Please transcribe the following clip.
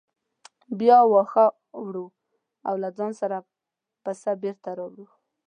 بیا واښه وړو او له ځانه سره پسه بېرته راوړو.